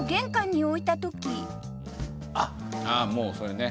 「ああもうそれね」